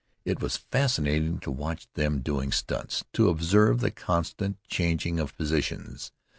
It was fascinating to watch them doing stunts, to observe the constant changing of positions.